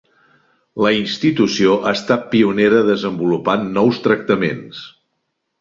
La institució ha estat pionera desenvolupant nous tractaments.